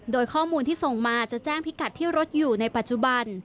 โดยข้อมูลที่ส่งมาจะแจ้งพิกัดที่รถอยู่ในปัจจุบัน